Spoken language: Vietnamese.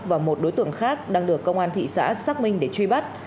và một đối tượng khác đang được công an thị xã xác minh để truy bắt